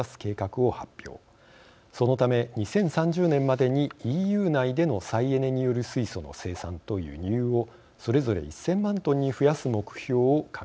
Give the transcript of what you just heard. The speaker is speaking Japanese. そのため２０３０年までにＥＵ内での再エネによる水素の生産と輸入をそれぞれ１，０００万トンに増やす目標を掲げています。